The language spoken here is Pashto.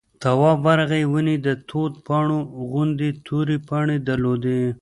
تواب ورغی ونې د توت پاڼو غوندې تورې پاڼې درلودې.